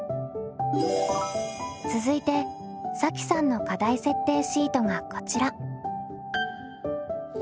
続いてさきさんの課題設定シートがこちら。